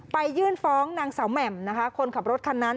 ยื่นฟ้องนางสาวแหม่มนะคะคนขับรถคันนั้น